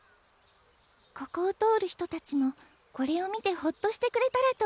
ここを通る人たちもこれを見てホッとしてくれたらと思って。